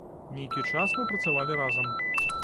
Нейкі час мы працавалі разам.